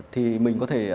thì mình có thể